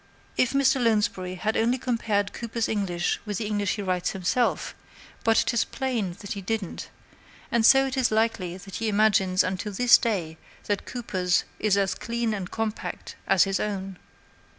If Mr. Lounsbury had only compared Cooper's English with the English which he writes himself but it is plain that he didn't; and so it is likely that he imagines until this day that Cooper's is as clean and compact as his own.